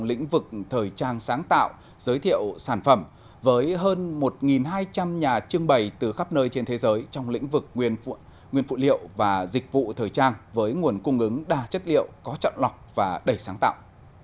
lĩnh vực thời trang sáng tạo giới thiệu sản phẩm với hơn một hai trăm linh nhà trưng bày từ khắp nơi trên thế giới trong lĩnh vực nguyên phụ liệu và dịch vụ thời trang với nguồn cung ứng đa chất liệu có chọn lọc và đầy sáng tạo